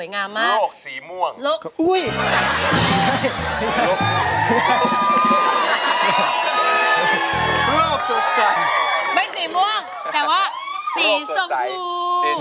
ร้องเข้าให้เร็ว